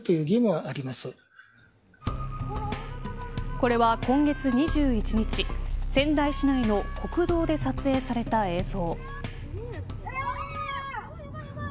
これは今月２１日仙台市内の国道で撮影された映像。